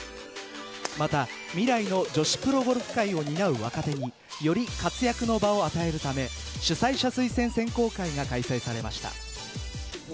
また未来の女子プロゴルフ界を担う若手により活躍の場を与えるため主催者推薦選考会が開催されました。